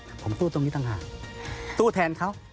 ผมสู้ตรงนี้ต่างหากสู้แทนเขา